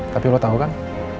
tapi lo tau kan